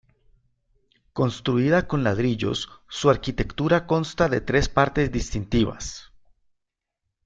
Construida con ladrillos, su arquitectura consta de tres partes distintivas.